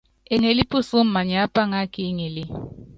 Eŋelí pusɔm maniápáŋá kí ŋili.